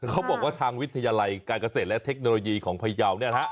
เขาบอกว่าทางวิทยาลัยการเกษตรและเทคโนโลยีของพยาวเนี่ยนะฮะ